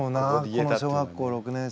この小学校６年生。